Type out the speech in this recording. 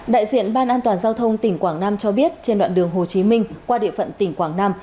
đại diện ban an toàn giao thông tỉnh quảng nam cho biết trên đoạn đường hồ chí minh qua địa phận tỉnh quảng nam